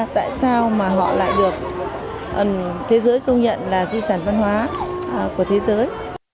tại sao mà họ lại được thế giới công nhận là di sản văn hóa của thế giới